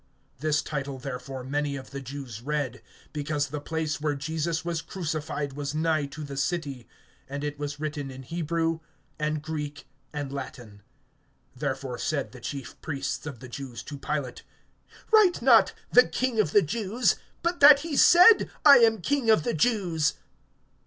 (20)This title therefore many of the Jews read; because the place where Jesus was crucified was nigh to the city, and it was written in Hebrew, and Greek, and Latin. (21)Therefore said the chief priests of the Jews to Pilate: Write not, The King of the Jews; but that he said, I am King of the Jews.